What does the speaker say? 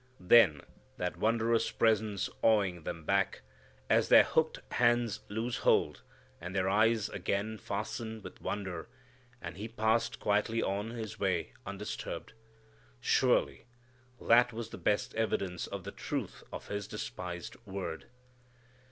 Then that wondrous presence awing them back, as their hooked hands lose hold, and their eyes again fasten with wonder, and He passed quietly on His way undisturbed. Surely that was the best evidence of the truth of His despised word.